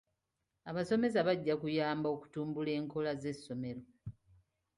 Abasomesa bajja kuyamba okutumbula enkola z'essomero.